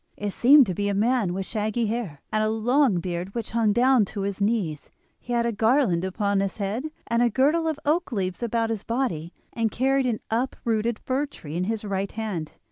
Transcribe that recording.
It seemed to be a man with shaggy hair, and a long beard which hung down to his knees. He had a garland upon his head, and a girdle of oak leaves about his body, and carried an uprooted fir tree in his right hand.